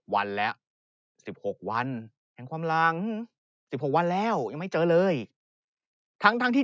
วันแล้ว๑๖วันแห่งความหลัง๑๖วันแล้วยังไม่เจอเลยทั้งที่